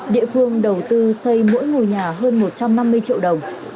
địa phương đầu tư xây mỗi ngôi nhà hơn một trăm năm mươi triệu đồng